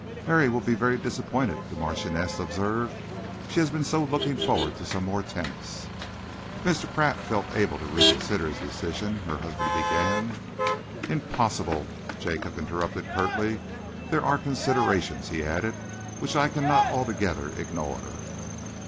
"Mary will be very disappointed," the Marchioness observed. "She has been so looking forward to some more tennis." "If Mr. Pratt felt able to reconsider his decision," her husband began "Impossible!" Jacob interrupted curtly. "There are considerations," he added, "which I cannot altogether ignore."